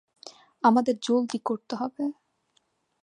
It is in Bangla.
আমাদের জলদি করতে হবে।